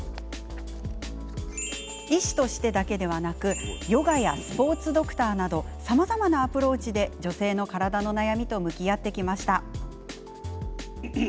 医師としてだけでなくヨガやスポーツドクターなどさまざまなアプローチで女性の体の悩みと向き合ってきました。